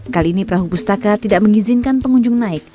kali ini perahu pustaka tidak mengizinkan pengunjung naik